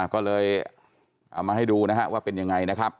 ก็เลยเอามาให้ดูนะฮะว่าเป็นยังไงนะครับ